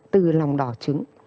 từ lòng đỏ trứng